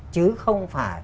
chứ không phải